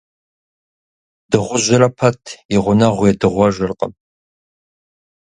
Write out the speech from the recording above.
Дыгъужьырэ пэт и гъунэгъу едыгъуэжыркъым.